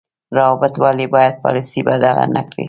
روابط ولې باید پالیسي بدله نکړي؟